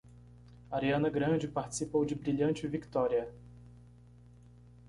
Ariana Grande participou de Brilhante Victória.